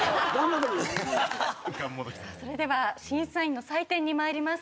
それでは審査員の採点に参ります。